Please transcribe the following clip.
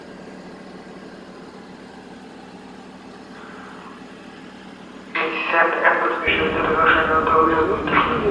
তিনি Saint Andrews বিশ্ববিদ্যালয়ে রসায়নের অধ্যাপক হিসেবে যোগ দেন।